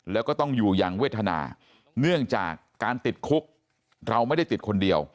แล้วก็ต้องอยู่อย่างเวทนาเนื่องจากการติดคุกเราไม่ได้ติดคนเดียว